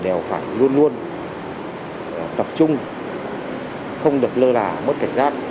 đều phải luôn luôn tập trung không được lơ là mất cảnh giác